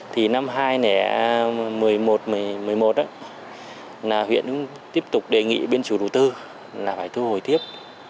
thì năm hai nghìn một mươi một huyện tiếp tục đề nghị biên chủ đầu tư là phải thu hồi tiếp